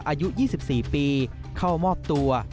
อายุ๒๔ปีเข้ามอบตัว